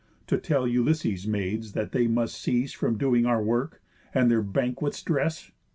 To tell Ulysses' maids that they must cease From doing our work, and their banquets dress?